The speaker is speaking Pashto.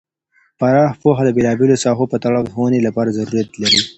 پراخ پوهه د بیلا بیلو ساحو په تړاو د ښوونې لپاره ضروریت لري.